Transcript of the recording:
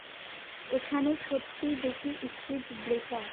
এখানে সত্যিই বেশি স্পিড ব্রেকার।